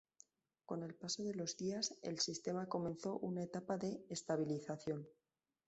Con el paso de los días, el sistema comenzó una etapa de estabilización.